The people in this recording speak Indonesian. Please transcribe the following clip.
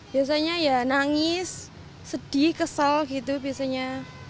biasanya ya nangis sedih kesel gitu biasanya